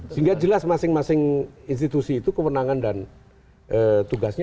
sehingga jelas masing masing institusi itu kewenangan dan tugasnya